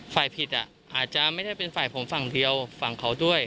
ฝ่ายผิดอาจจะไม่ได้เป็นฝ่ายผมฝั่งเดียวฝั่งเขาด้วย